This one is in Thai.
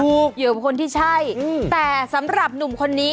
เหยื่อกับคนที่ใช่แต่สำหรับหนุ่มคนนี้